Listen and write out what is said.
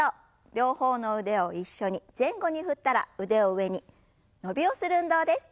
両方の腕を一緒に前後に振ったら腕を上に伸びをする運動です。